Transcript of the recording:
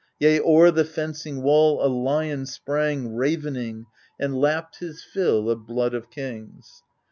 Yea, o'er the fencing wall a lion sprang Ravening, and lapped his fill of blood of kings.